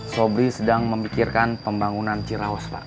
sobri sedang memikirkan pembangunan cirawas pak